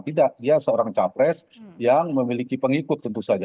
tidak dia seorang capres yang memiliki pengikut tentu saja